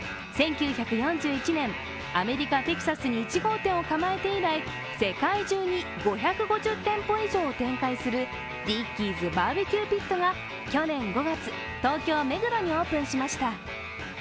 １９４１年、アメリカ・テキサスに１号店を構えて以来世界中に５５０店舗以上を展開するディッキーズバーベーキューピットが去年５月、東京・目黒にオープンしました。